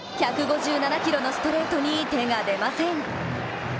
１５７キロのストレートに手が出ません。